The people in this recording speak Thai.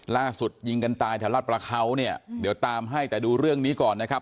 ยิงกันตายแถวรัฐประเขาเนี่ยเดี๋ยวตามให้แต่ดูเรื่องนี้ก่อนนะครับ